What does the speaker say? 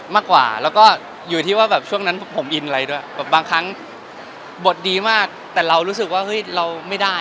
มากกว่าแล้วก็อยู่ที่ว่าแบบช่วงนั้นผมอินอะไรด้วยแบบบางครั้งบทดีมากแต่เรารู้สึกว่าเฮ้ยเราไม่ได้